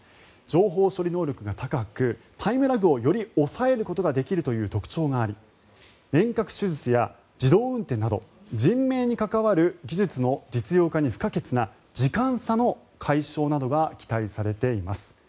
情報処理能力が高くタイムラグをより抑えることができるという特徴があり遠隔手術や自動運転など人命に関わる技術の実用化に不可欠な時間差の解消などが期待されています。